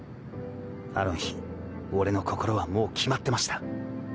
あの日俺の心はもう決まってました。